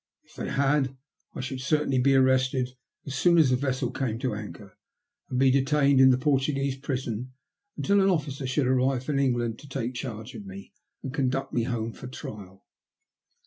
If they had, I should certainly be arrested as soon as the vessel came to anchor, and be detained in the Portuguese prison until an officer should arrive from England to take charge of me and conduct me home for trial.